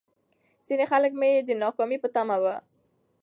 ځيني خلک مې د ناکامۍ په تمه وو.